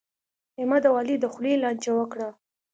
احمد او علي د خولې لانجه وکړه.